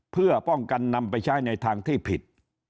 เพื่อป้องกันนำไปใช้ในทางที่ผิด